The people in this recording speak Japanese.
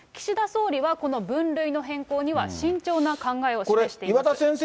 岸田総理は、この分類の変更には慎重な考えを示しています。